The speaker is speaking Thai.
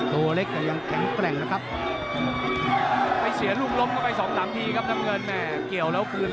ลุงเมืองเพชรน้ำเงินภอย